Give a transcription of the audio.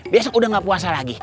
besok udah gak puasa lagi